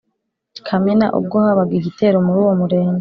Kamena, ubwo bagabaga igitero muri uwo Murenge.